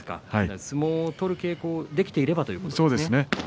相撲を取る稽古ができていればということですね。